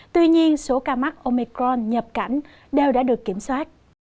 tuy nhiên số ca mắc omecron nhập cảnh đều đã được kiểm soát